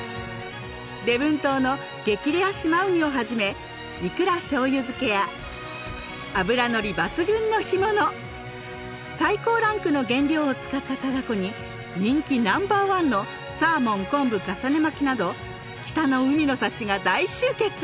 礼文島の激レア島ウニをはじめイクラ醤油漬けや脂のり抜群の干物最高ランクの原料を使ったたらこに人気ナンバーワンのサーモン昆布重ね巻きなど北の海の幸が大集結。